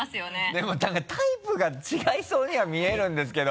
でも何かタイプが違いそうには見えるんですけど。